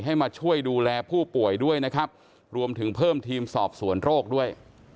ให้มาช่วยดูแลผู้ป่วยด้วยนะครับรวมถึงเพิ่มทีมสอบสวนโรคด้วย